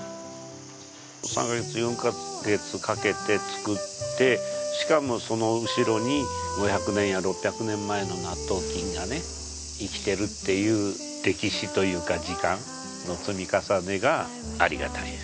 ３か月４か月かけて作ってしかもその後ろに５００年や６００年前の納豆菌がね生きてるっていう歴史というか時間の積み重ねがありがたい。